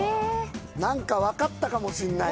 分かったかもしんない。